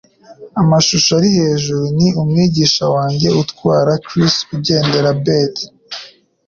Amashusho ari hejuru ni umwigisha wanjye utwara Chris ugendera Bert.